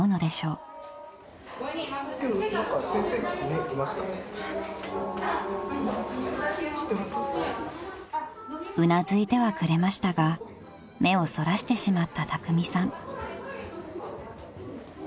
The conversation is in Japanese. ［うなずいてはくれましたが目をそらしてしまったたくみさん］